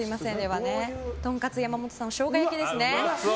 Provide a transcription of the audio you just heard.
とんかつ山本さんの生姜焼きですね。